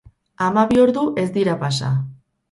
Hamabi ordu ez dira pasa.